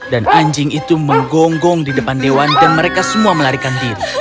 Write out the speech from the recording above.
anjing itu menggonggong di depan dewan dan mereka semua melarikan diri